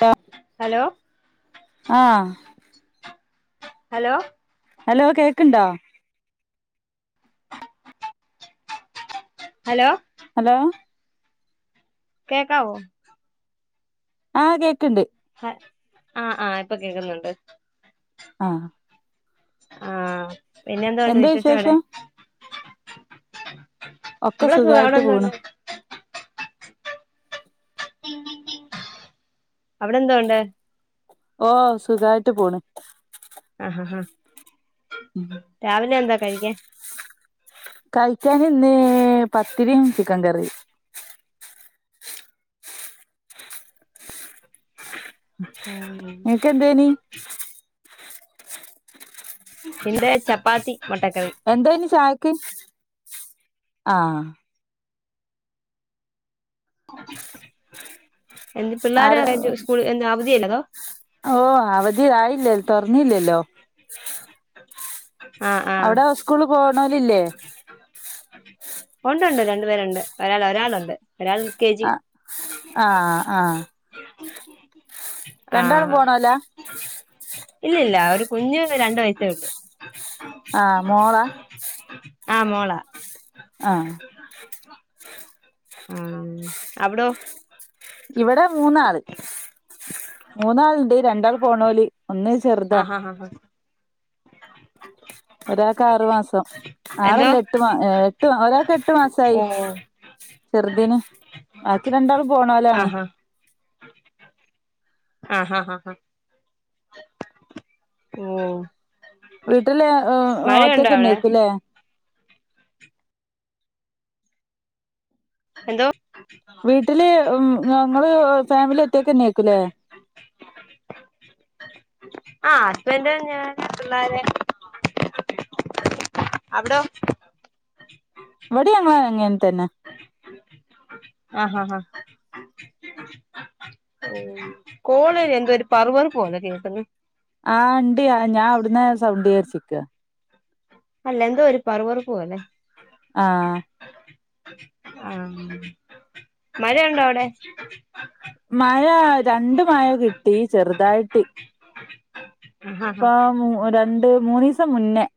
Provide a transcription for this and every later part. Hello hello ആ hello hello കേക്ക്ണ്ടോ hello hello കേക്കാവോ ആ കേക്ക്ണ്ട് ആ ആ ഇപ്പം കേക്കുന്നുണ്ട് ആ ആ പിന്നെ എന്തുണ്ട് വിശേഷം അവിടെ ഒക്കെ ഇബടെ സുഖാ അവിടെ സുഖായിട്ട് എന്തുണ്ട് പോണ് അവിടെ എന്തോണ്ട്‌ ഓ സുഖായിട്ട് പോണ് ആ ആ ആ രാവിലെ എന്താ കഴിക്കാൻ ക്കാൻ ഇന്ന് പത്തിരിയും ചിക്കൻ കറിയും നിനക്ക് എന്തേനി ഈടേ ചപ്പാത്തി മുട്ടക്കറി ക്ക് ആഹ [inaudible] എന്ത് പിള്ളേർ സ്കൂള എന്ത് അവധിയ അല്ലതോ ഓ അവധിയായില്ലാ തുറന്നില്ലല്ലോ [inaudible] ആഹ് അവിടെ സ്കൂള് പോണോല് ഇല്ലേ ഉണ്ട് ഉണ്ട് രണ്ടു പേരുണ്ട് ഒരാൾ ഒരാളുണ്ട് ഒരാൾ യു കെ ജി ആഹ ആഹ ആഹ രണ്ടാളും ആഹ് പോണോല്ലാ [inaudible] ഇല്ല ഇല്ല ഒരു കുഞ്ഞ് രണ്ട വയസ്സേ ഉള്ളൂ ആഹ മോളാ ആഹ മോളാ ആഹ ആ അവിടോ ഇവിടെ മൂന്നാള് മൂന്നാളുണ്ട് രണ്ടാൾ പോണോല് ഒന്ന് ചെറുതാ ആഹ ആഹ ആഹ് ഹഹ ഒരാൾക്ക് ആറു മാസം എന്തോ ആറല്ലേ എട്ടു മാ എട്ട് ഒരാൾക്ക് എട്ടു മാസായി ഓ ചെറുതിന് ബാക്കി രണ്ടാളും പോണോലാണ് ആഹ് ആ ഹാ ഹാ ഹാ ഓ വീട്ട്ല് ആ ആ ഒറ്റക്കെനേക്കുല്ലേ എന്തോ വീട്ട്ല് ഞങ്ങള് ഫാമിലി ഒറ്റക്കന്നെക്കുല്ലേ ആ ഹസ്ബന്റ് ഞാന് പിള്ളേര് അവ്ടോ ഇവ്ടിം ഞങ്ങള് അങ്ങൻ തന്നെ ഹാ ഹാ ഉം കോളിൽ എന്തോ പറ്പറുപ്പു പോലെ കേക്ക്ന്ന് ആ ഇണ്ട് ഞാ വ്ട്ന്നാ സൗണ്ട് ചാരിച്ച്നിക്കാ അല്ല എന്തോ ഒരു പറുപറുപ്പ് പോലെ ആഹ്- ആഹ് മഴ ഒണ്ടോ അവിടെ? മഴ രണ്ട് മഴ കിട്ടി ചെറുതായിട്ട്- [inaudible] ആഹ് ഇപ്പം രണ്ട് മൂന്നീസം മുന്നേ-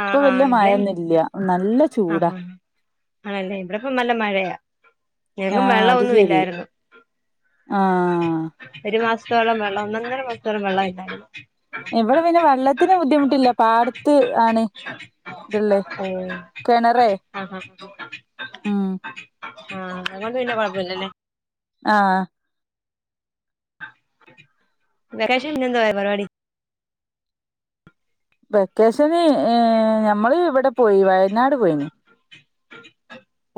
ആ ആ വല്യ ഇവിടെ മഴൊന്നുംല്ല നല്ല ആ ചൂടാ ആണല്ലേ ഇവിടിപ്പം നല്ല മഴയാ ഞങ്ങൾക്കും ആഹ് വെള്ളം അത് ഒന്നും ശരി ഇല്ലായിരുന്ന് ആഹ് ഒരു മാസ [unintelligible] വെള്ളം ഒന്നൊന്നര മാസത്തോളം വെള്ളം ഇല്ലാരുന്നു ഇവിടെ പിന്നെ വെള്ളത്തിന് ബുദ്ധിമുട്ടില്ല പ അടുത്ത് ആണ് ഇതുള്ളേ ഓഹ് കെണറേ ആഹ് ആഹ് ഉം- അതുകൊണ്ട്പിന്നെ കുഴപ്പമില്ല അല്ലേ? ആഹ് വെക്കേഷന് പിന്നെ എന്തുവാരുന്നു പരിപാടി- വെക്കേഷന് ഏ ഞമ്മള് ഇവിടെ പോയി വയനാട് പോയിന്-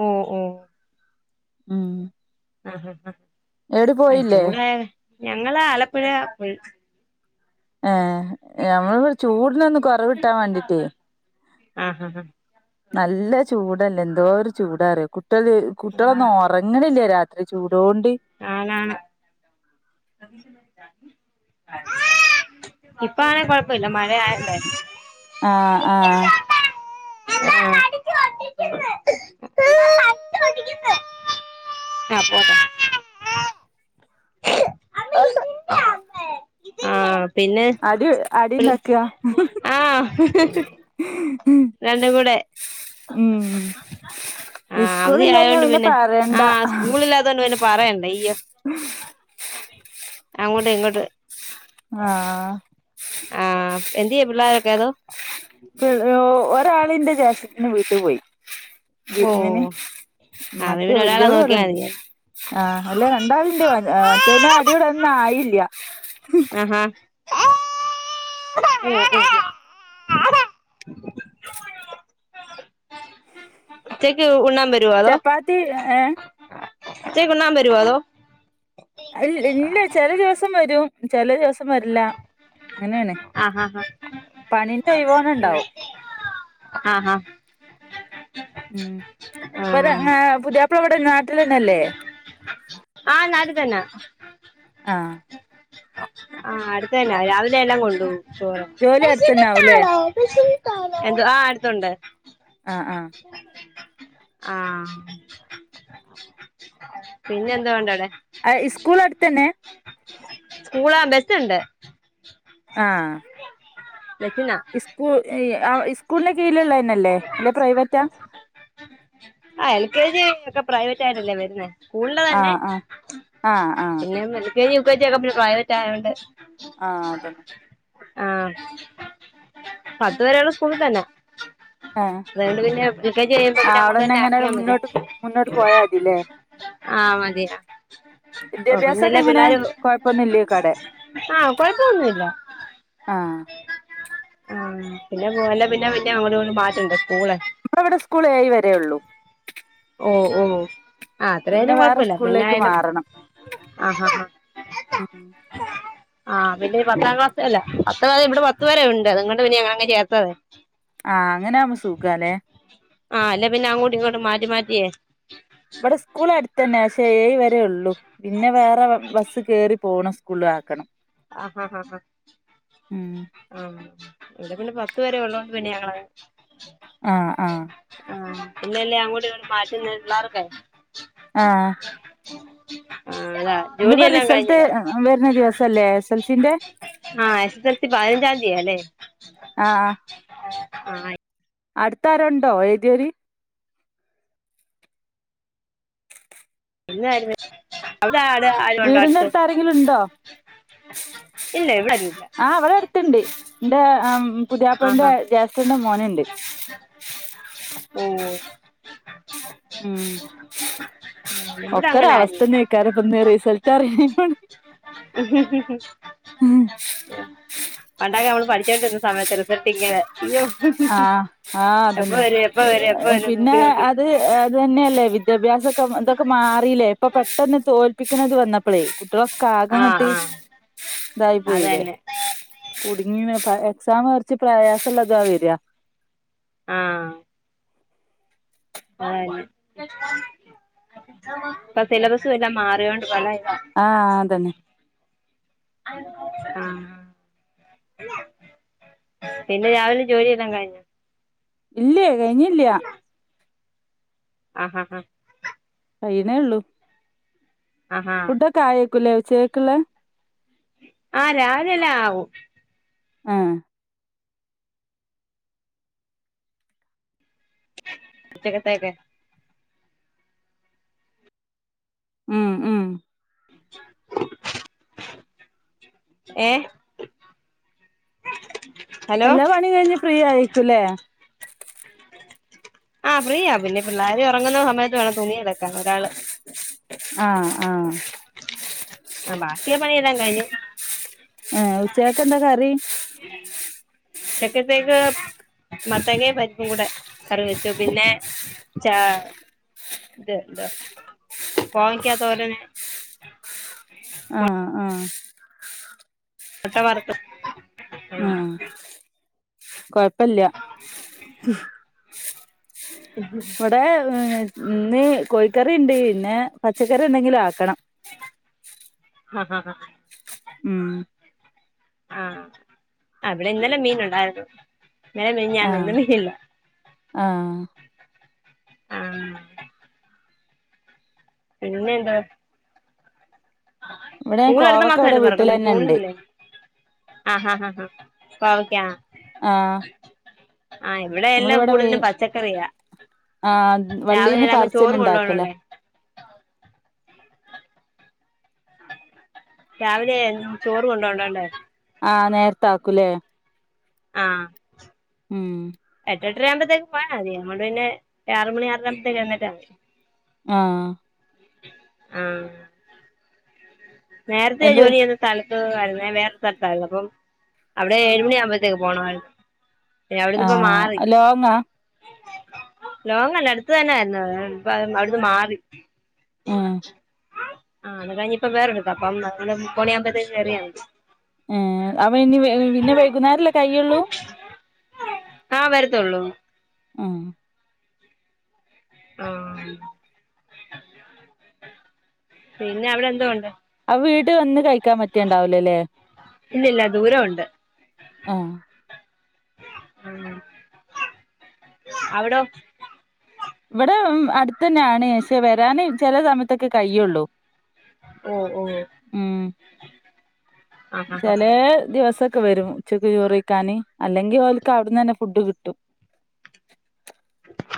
ഒ ഓ ഉം ആഹ് ഹ ഹ എവിടെ അത് പോയില്ലേ ചൂടാ ഞങ്ങള് ആലപ്പുഴാ- [unintelligible] ഏ ഞമ്മളിവിടെ ചൂടിനൊന്ന് കുറവ് കിട്ടാൻ വേണ്ടിട്ടേ ആഹ് ആഹ് നല്ല ചൂട് ഇതല്ല എന്തോരു ചൂടാറിയോ കുട്ടികളൊന്നും ഉറങ്ങണില്ല രാത്രി [unintelligible] ആണ് ആണ് ഇപ്പ അങ്ങനെ കൊഴപ്പമില്ല മഴ ആയൊണ്ടേ അല്ലെ ആഹ് ആഹ് [unintelligible] ആഹ് പിന്നെ അടി അടി ഇണ്ടാക്കുക ആഹ് രണ്ടും കൂടെ ഉം ആഅവധി സ്കൂളില്ലാഞ്ഞാ ആയോണ്ട് പിന്നെ പറയണ്ട ആ സ്കൂളില്ലാത്തോണ്ട് പിന്നെ പറയണ്ട ഈ [inaudible] അങ്ങോട്ട് ഇങ്ങോട്ട് ആഹ് ആ എന്തിയേ പിള്ളേരൊക്കെ അതോ [unintelligible] ഒരാളിന്റെ ജേഷ്ട്ടത്തിനെ വീട്ടി പോയി ഓ വിര്ന്നിന് അവര് മറ്റേ പിന്നെ ഒരാളെ വല്ലിയോള് നോക്കിയാ ഇവടണ്ട് മതി ആ അല്ലേ രണ്ടാളിണ്ട് മറ്റേനെ അടികൂടാനൊന്നായി അ ഹാ [inaudible] ഉച്ചെക്ക് ഉണ്ണാ ചപ്പാത്തി എ ഏ ഉച്ചേക്ക് ഉണ്ണാൻ ബെരുവോ അതൊ അയ് ഇല്ല ചെല ദിവസം വരും ചെല ദിവസം വരില്ല അങ്ങനെയാണ് അ ഹ ഹ പണിന്റെ ഒഴിവോണം ഉണ്ടാവും [inaudible] ആ ഹ ഹ ഉം ബര് ആഹ് ങേ പുതിയാപ്ള ഇവ്‌ ടെ നാട്ടിലെന്നെല്ലേ ആ നാട്ട് തന്നെ ആ ആ അട്ത്തന്നെ രാവിലെ എല്ലാം കൊണ്ടോവും ചോറോ ജോലി അടുത്തന്നെ ആവൂല്ലേ വെശന്നിട്ടാണൊ വെശന്ന് എന്ത്‌ ആ അടുത്തുണ്ട് ആഹ് ആ പിന്നെ എന്തോണ്ടവ്ടെ അയ് ഇസ്കൂൾ എട്ത്തെന്നെ സ്കൂൾ ആ ബെസ്സ് ഇണ്ട് ആ ബെസ്സിനാ [unintelligible] ആ ഇസ്കൂൾ ന് കീഴിൽ ഇള്ളെയെന്നെ അല്ലെ അല്ലെയ് പ്രൈവെറ്റാ ആ എൽ കെ ജി ഒക്കെ പ്രൈവറ്റ് ആയിട്ടല്ലെ വെരുന്നെ സ്കൂളിൽ തന്നെ ആഹ് ആഹ് ആഹ് ആഹ് പിന്നെ വെ L. K. G U. K. G. ഒക്കെ പിന്നെ പ്രൈവറ്റ് ആയോണ്ട് ആ അതെന്നെ ആ പത്ത് വെരെ ഇള്ള സ്കൂളിൽ തെന്നെ ആഹ് അതോണ്ട് പിന്നെ യുകെജി കയ്യുമ്പം ആ പിന്നെ അങ്ങോട്ട് അവിടെന്നെ തന്നെ എങ്ങനെ ആക്കിയാ മതി മുന്നോട്ട് മുന്നോട്ട് പോയാതില്ലേ ആ മതിനാ ഓ വിദ്യാഭ്യാസൊക്കെ പിന്നല്ലെ എങ്ങനെ പിള്ളാര് കൊഴപ്പൊന്നുല്ലേക്കാടെ ആ കൊഴപ്പ ഒന്നുയില്ല ആ ആ പിന്നെപ്പം ഒലെ പിന്നെ പിന്നെ അങ്ങോട്ടും ഇങ്ങോട്ടും മാറ്റെണ്ടെ സ്കൂളൊക്കെ നമ്മളെ ഇവടെ സ്കൂൾ ഏഴ് വെരെ ഒള്ളു ഓ ഓ ആ അത്ര ആയാലും വേറെ കൊഴപ്പൊയില്ല പിന്നെ സ്കൂളിലേക്ക് ആയാലും മാറണം ആ ആ ഉം ആ ഇവെൽ പത്താം ക്ലാസ് അല്ലെ പത്ത് വെരെ ഇവടെ പത്ത് വെരെ ഉണ്ട് അതുംകൊണ്ട് പിന്നെ ഞങ്ങൾ അങ്ങ് ചേർത്തത് ആ അങ്ങനാവുമ്പോ സുഖാല്ലേ ആ അല്ലെ പിന്നെ അങ്ങോട്ടും ഇങ്ങോട്ട് മാറ്റി മാറ്റി എ ഇവിടെ സ്കൂൾ അടുത്തന്നെ പക്ഷെ ഏഴ് വരേ ഉള്ളൂ പിന്നെ വേറെ ബസ്സ് കേറി പോണം സ്കൂള്ൽ ആക്കണം. ആഹാഹ ഉം ആ ഇവിടെ പിന്നെ പത്ത് വരെ ഉള്ളോണ്ട് പിന്നെ ഞങ്ങളങ്ങ് ആഹ് ആഹ് ഇല്ലല്ലേ അങ്ങോട്ടും ഇങ്ങോട്ടും മാറ്റുന്നത് പിള്ളാർക്കെ ആഹ് ആഹ് അതാ ഇന്നിപ്പോ ജോലിയെല്ലാം റിസൾട്ട്‌ കഴിഞ്ഞോ വരുന്ന ദിവസ ല്ലെ എസ് എസ് എൽ സി ന്റെ? ആഹ് എസ് എസ് എൽ സി പതിനഞ്ചാം തീയതിയാ അല്ലേ ആഹ് ആഹ് അടുത്താരു ഉണ്ടോ എഴുതിയൊര്? പിന്നായിരുന്നു അ വീടിന്റെ അടുത്ത് ആരെങ്കിലും ഉണ്ടോ? ഇല്ല ഇവിടെ ആരും ഇല്ല ആ ഇവിടെ അടുത്തണ്ട് എന്റെ ആഹ് പുതിയാപ്പളന്റെ ആഹ് ജേഷ്ഠന്റെ മോനുണ്ട്. ഓ ഉം ഇവിടെ ഒക്കെ ഒരു അങ്ങനെ അവസ്ഥന്നെ ആരുമില്ല ഇക്കാടെ ഇന്ന് റിസൾട്ട് അറിയ പണ്ടൊക്കെ നമ്മള് [unintelligible] പഠിച്ചോണ്ടിരുന്ന സമയത്ത് റിസൾട്ട് ഇങ്ങനെ ഇയ്യോ ആഹ് ആഹ് അതന്നെ വരും എപ്പ വരും പിന്നെ നോക്കി നോക്കി അത് അത് തന്നെയല്ലേ വിദ്യാഭ്യാ ഇതൊക്കെ ഇതൊക്കെ മാറിയില്ലേ ഇപ്പൊ പെട്ടെന്ന് തോൽപിക്കുന്നത് വന്നപ്പോളേ ആഹ് ആഹ് [unintelligible] ഇതായി പോയില്ലേ. അതന്നെ കുടി ഇങ്ങനെ എക്സാം കുറച്ച് പ്രയാസമുള്ളതാ വരിക ആഹ അതന്നെ ഇപ്പ സിലബസ് എല്ലാം മാറിയോണ്ട് പല ഇതാ ആഹ് അതന്നെ ആ പിന്നെ രാവിലെ ജോലി എല്ലാം കഴിഞ്ഞോ ഇല്ലേ കഴിഞ്ഞില്ല ആഹഹ ആഹ കഴിയിന്നെ ഉള്ളൂ ആഹാ ഫുഡ്‌ ഒക്കെ ആയോ [unintelligible] ആഹ രാവിലെ എല്ല ആവും ആഹ് [unintelligible] ഉം ഉം എ എല്ലാ പണി കഴിഞ്ഞ് ഫ്രീ ആയിക്കൂല്ലേ ആഹ് ഫ്രീയാ പിന്നെ പിള്ളേര് ഉറങ്ങുന്ന സമയത്ത് വേണം തുണി അലക്കാൻ ഒരാള് ആഹ് ആഹ് ആ ബാക്കിയൊള്ള പണിയെല്ലാം കഴിഞ്ഞു ആ ഉച്ചക്ക് എന്താ കറി [unintelligible] ഉച്ചക്കത്തേക്ക് മത്തങ്ങേ പരിപ്പും കൂടെ കറി വെച്ചു പിന്നെ ച ഇത് എന്താ കോവക്ക തോരന് ആഹ് ആഹ് മുട്ട വറത്ത് കുഴ പ്പല്ല്യ ഇവിടെ ഇനീ കോഴിക്കറി ഉണ്ട് പിന്നെ പച്ചക്കറി എന്തെങ്കിലും ആക്കണം ആഹ ആ ഉം ആഹ ഇവിടെ ഇന്നലെ മീൻ ഉണ്ടായിരുന്നു മിഞ്ഞാന്ന് ആഹ് ഇന്നലല്ല ആഹ് ആഹ് പിന്നെ എന്താ ഇവിടെ കോവക്ക ഇവിടെ വീട്ടിൽ തന്നെണ്ട് ആഹ ആഹ ആ ഹാ കോവക്ക ആഹ് ആഹ എവിടെ എല്ലാം നമ്മളിവിടെ വീ കൂടുതലും പച്ചക്കറിയാ ആഹ് രാവിലെ വള്ളീന്ന് എല്ലാർക്കും ചോറ് പറിച്ചന്നെ കൊണ്ട് ഇണ്ടാക്കല പോണോണ്ടേ രാവിലെ ചോറ് കൊണ്ടോണ്ണോണ്ടേ ആഹ് നേരത്ത ആക്കൂലേ ആഹ് ഉം എട്ടരയാവുമ്പത്തേക്ക് പോയാൽ മതിപിന്നെ ആറ മണി ആറര ആകു മ്പത്തേക്ക് എണീറ്റമതി ആഹ് ആഹ് നേരത്തെ എന്ത് ജോലി ചെയ്ത സ്ഥല വേറെ സ്ഥലത്തായിരുന്നു അപ്പം അവിടെ ഏഴുമണി ആകുമ്പോഴത്തേക്ക് പോകണമായിരുന്നു ആഹ ലോങ്ങാ ലോങ്ങല്ല അടുത്ത തന്നൊയിരുന്നു ഇപ്പ അവിടുന്ന് മാറി ആഹ് ആ അത് കഴിഞ്ഞു ഇപ്പ വേറൊരു അപ്പം നമ്മൾ ഒമ്പത് മണിയാവുമ്പതേക്കും കേറിയമതി - ഏ അവൻ ഇനി പിന്നെ വൈകുന്നേരല്ലേ കൈയ്യുള്ളു ആഹ് വരത്തുള്ളൂ ആഹ് ആ പിന്നെ അവിടെ എന്തോ ഉണ്ട് ആ വീട് വന്ന് കഴിക്കാൻ പറ്റിയണ്ടാവിലല്ലേ ഇല്ലല്ല ദൂരം ഉണ്ട് ആഹ് അവിട ഇവിടെ അടുത്തന്നെ ആണ് പക്ഷെ വരാന് ചെല സമയത്തൊക്കെ കയ്യുള്ളു ഓഹ് ഓഹ് ചെലേ ദിവസ ക്കെ വരും ഉച്ചക്ക് ചോറയിക്കാന് അല്ലെങ്കിൽ ഓലക്ക് അവിടുന്ന് തന്നെ ഫുഡ് കിട്ടും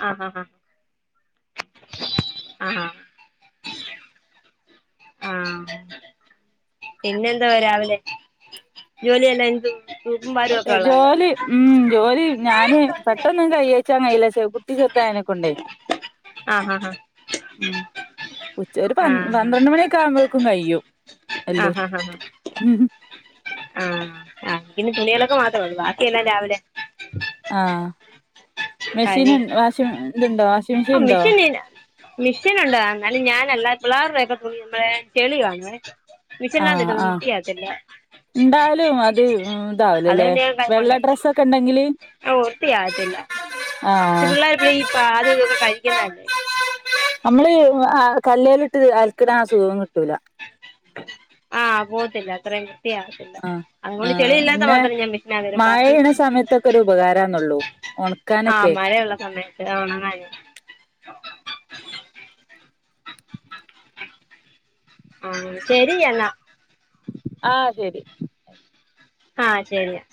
ആ ആഹ് ആഹ് പിന്നെ എന്താ രാവിലെ ജോലിയല്ല അങ്ങ് തീർ അതെ ജോലി ഉം ജോലി ഞാന് പെട്ടെന്ന് കയ ഉച്ചങ്ങയില കുട്ടി ചെറുതായിനെ കൊണ്ടേ ആ ആ ആ ഉം ഉച്ച ഒരു പ പന്ത്രണ്ട് മണിയൊക്കെ ആകുമ്പോ ക്കും കയ്യും ആഹ് ഹഹ ആഹ ആഹ് ആ പിന്നെ തുണിയലക്ക് മാത്രള്ളൂ ബാക്കിയെല്ലാം രാവിലെ ആഹ് പഴേ മെഷീന് വാഷിം ഇതുണ്ടോ വാഷിംഗ് മെഷീൻ ആ ഇണ്ടോ? മിഷൻ മിഷെൻ ഉണ്ട് എന്നാലും ഞാൻ അല്ലാ പിള്ളേരുടെ [unintelligible] ചെളി കാണുവേ ആഹ് മിഷീനിനകത്തിട്ടൊന്നും ആഹ് വൃത്തിയാകത്തില്ല എന്താലും അത് ഇതാവലല്ലേ അതുകൊണ്ട് ഞാൻ വെള്ള കൈകൊണ്ട് ഡ്രസ്സക്കെ ഇണ്ടെങ്കില് ആഹ് വൃത്തിയാകത്തില്ല ഈ ആഹ് പിള്ളർ [unintelligible] ഇതൊക്കെ കഴിക്കുന്നല്ലേ നമ്മള് കല്ലേലിട്ട് അൽക്കണ ആ സുഖോമ് കിട്ടൂല [inaudible] ആ പോത്തില്ല അത്രയും വൃത്തിയാകത്തില്ല ആ ആ അതുകൊണ്ട് ചെളിയില്ലാത്ത പിന്നെ മാത്രം ഞാൻ മിഷീനകത്ത് ഇടും മഴ ബാക്കി പെയ്യ്ണ സമയത്തൊക്കെ ഒരു ഉപകാരാന്നേള്ളൂ ആ മഴയ ഉള്ള സമയത്ത് ഒണങ്ങാന് ആ ശരിയെന്ന ആ ശെരി ആ ശെരിയാ